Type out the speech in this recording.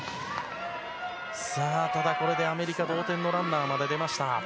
さあ、ただこれでアメリカ同点のランナーまで出ました。